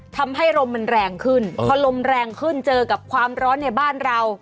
ทำให้ลมมันแรงขึ้นพอลมแรงขึ้นเจอกับความร้อนในบ้านเรา